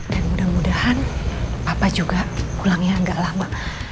dan mudah mudahan papa juga pulangnya agak lama